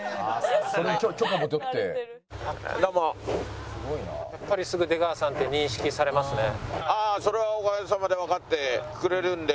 やっぱりすぐ出川さんって認識されますね。